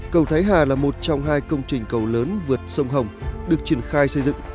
cầu thái hà là một trong hai công trình cầu lớn vượt sông hồng được triển khai xây dựng